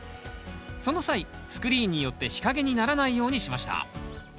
その際スクリーンによって日陰にならないようにしました。